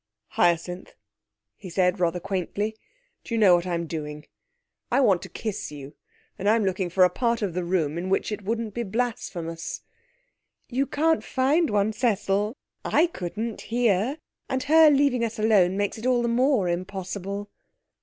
'Hyacinth,' he said, rather quaintly, 'do you know what I'm doing? I want to kiss you, and I'm looking for a part of the room in which it wouldn't be blasphemous!' 'You can't find one, Cecil. I couldn't here. And her leaving us alone makes it all the more impossible.'